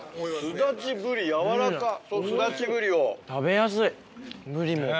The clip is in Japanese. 食べやすいぶりも。